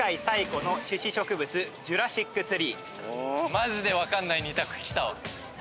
マジで分かんない２択きたわ。